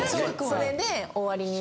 それで終わりに。